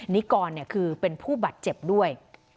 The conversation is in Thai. นิกรเป็นผู้บัตรเจ็บด้วย